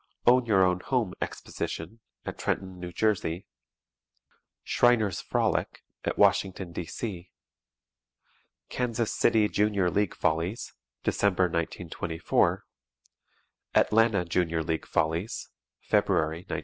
"Own Your Own Home Exposition," at Trenton, New Jersey. Shriner's Frolic, at Washington, D.C. Kansas City "Junior League Follies" (December, 1924). Atlanta "Junior League Follies" (February, 1925).